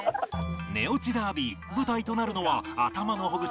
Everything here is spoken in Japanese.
寝落ちダービー舞台となるのは頭のほぐし